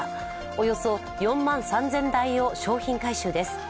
およそ４万３０００台を商品回収です。